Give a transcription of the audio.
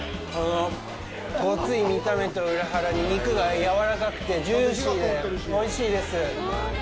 ごつい見た目と裏腹に肉がやわらかくて、ジューシーでおいしいです。